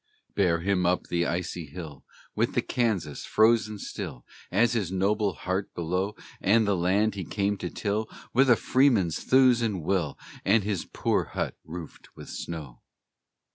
Bear him up the icy hill, With the Kansas, frozen still As his noble heart, below, And the land he came to till With a freeman's thews and will, And his poor hut roofed with snow!